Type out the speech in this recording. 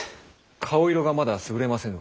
顔色がまだすぐれませぬが。